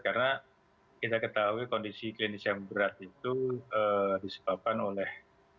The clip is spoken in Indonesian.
karena kita ketahui kondisi klinis yang berat itu disebabkan oleh